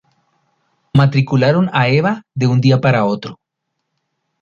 Matricularon a Eva de un día para otro.